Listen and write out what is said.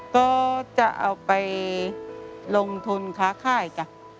ก็จะเอาไปลงทุนข้าวข้าวอีกก่อน